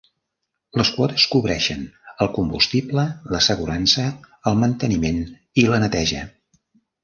Les quotes cobreixen el combustible, l'assegurança, el manteniment i la neteja.